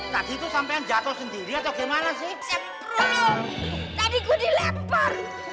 tadi itu sampean jatuh sendiri atau gimana sih tadi gue dilempar